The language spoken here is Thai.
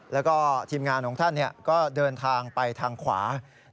แล้วก็ทีมงานของท่านก็เดินทางไปทางขวา